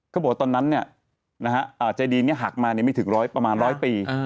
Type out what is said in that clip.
บอกว่าตอนนั้นใจดีหักมาไม่ถึงประมาณ๑๐๐ปี